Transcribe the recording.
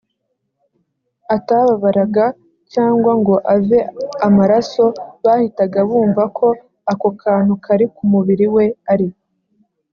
atababaraga cyangwa ngo ave amaraso bahitaga bumva ko ako kantu kari ku mubiri we ari